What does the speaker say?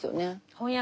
翻訳。